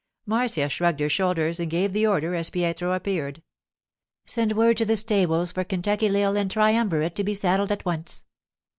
Marcia shrugged her shoulders and gave the order as Pietro appeared. 'Send word to the stables for Kentucky Lil and Triumvirate to be saddled at once.